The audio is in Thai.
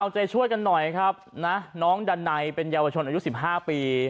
เอาใจช่วยกันหน่อยครับนะน้องดันไนเป็นเยาวชนอายุ๑๕ปี